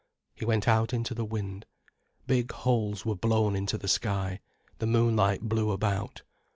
He went out into the wind. Big holes were blown into the sky, the moonlight blew about.